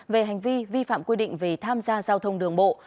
về hành vi vi phạm quy định về tham gia giao thông đường bộ